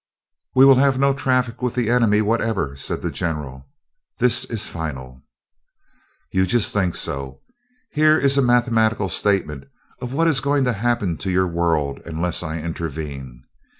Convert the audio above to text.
"We will have no traffic with the enemy whatever," said the general. "This is final." "You just think so. Here is a mathematical statement of what is going to happen to your world, unless I intervene."